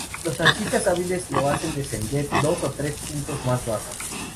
Los artistas hábiles los hacen descender dos o tres puntos más bajo.